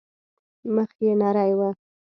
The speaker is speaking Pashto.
مخ يې نرى و.